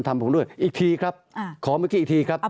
ตั้งแต่เริ่มมีเรื่องแล้ว